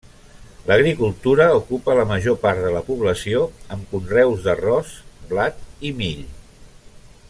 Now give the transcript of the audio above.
L'agricultura ocupa la major part de la població, amb conreus d'arròs, blat i mill.